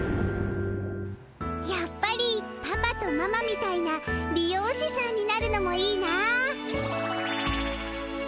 やっぱりパパとママみたいな理容師さんになるのもいいな。